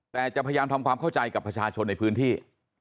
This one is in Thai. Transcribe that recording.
แต่จะพยายามทำความเข้าใจกับประชาชนในพื้นที่